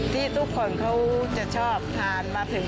ที่ทุกคนเขาจะชอบทานมาถึง